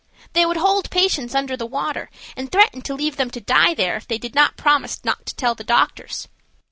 They would hold patients under the water and threaten to leave them to die there if they did not promise not to tell the doctors.